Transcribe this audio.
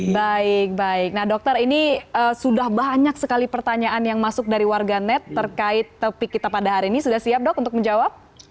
baik baik nah dokter ini sudah banyak sekali pertanyaan yang masuk dari warganet terkait topik kita pada hari ini sudah siap dok untuk menjawab